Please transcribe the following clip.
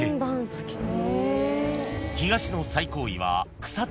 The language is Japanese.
［東の最高位は］